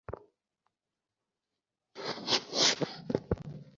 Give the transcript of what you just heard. এটা সলভ করবো, তারপর বলবা?